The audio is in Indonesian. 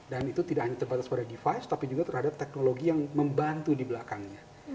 dan itu tidak hanya terbatas pada device tapi juga terhadap teknologi yang membantu di belakangnya